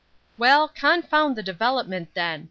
"Well, confound the development then!